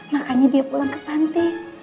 makanya dia pulang ke pantai